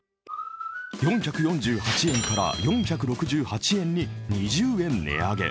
４４８円から４６８円に２０円値上げ。